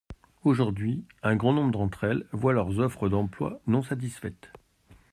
Aujourd’hui, un grand nombre d’entre elles voient leurs offres d’emploi non satisfaites.